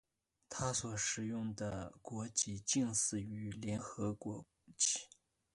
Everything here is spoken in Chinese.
它所使用的国旗近似于联合国旗。